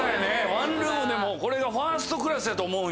ワンルームでもこれがファーストクラスやと思うんや？